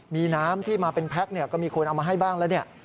มีน้ำที่มาเป็นแพ็คก็มีคนเอามาให้บ้างแล้วเนี่ย